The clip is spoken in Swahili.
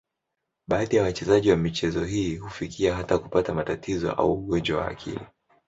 Baadhi ya wachezaji wa michezo hii hufikia hata kupata matatizo au ugonjwa wa akili.